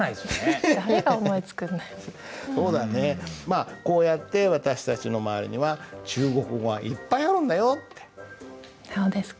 まあこうやって私たちの周りには中国語がいっぱいあるんだよっていう事です。